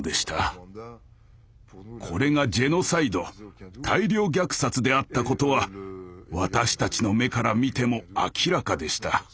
これがジェノサイド大量虐殺であったことは私たちの目から見ても明らかでした。